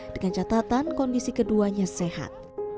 dengan catatan kondisi keduanya sehat